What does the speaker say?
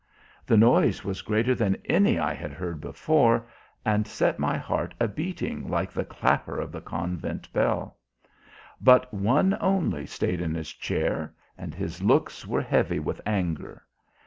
"The noise was greater than any I had heard before and set my heart a beating like the clapper of the convent bell. But one only stayed in his chair, and his looks were heavy with anger.